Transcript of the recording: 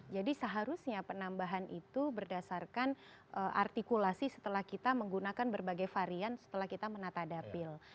jadi seharusnya penambahan itu berdasarkan artikulasi setelah kita menggunakan berbagai varian setelah kita menata dapil